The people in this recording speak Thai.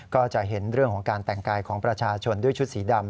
ก็จะเห็นเรื่องของการแต่งกายของประชาชนด้วยชุดสีดำ